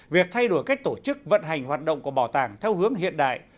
việc thay đổi cách tổ chức vận hành hoạt động của bảo tàng theo hướng hiện đại